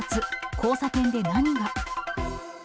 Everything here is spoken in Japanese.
交差点で何が？